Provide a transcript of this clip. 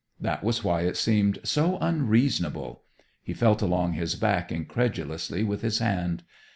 That was why it seemed so unreasonable He felt along his back incredulously with his hand.